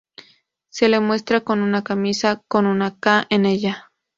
Se le muestra con una camisa con una "K" en ella.